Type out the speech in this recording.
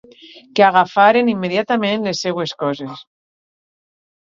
Que agafaren immediatament les seues coses.